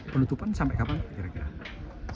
penutupan sampai kapan kira kira